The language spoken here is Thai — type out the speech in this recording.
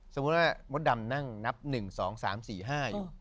สมมุติว่ามดดำนั่งนับ๑๒๓๔๕อยู่